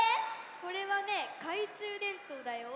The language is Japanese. これはねかいちゅうでんとうだよ。